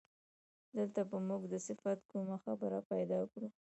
دلته به موږ د صفت کومه خبره پیدا کړو.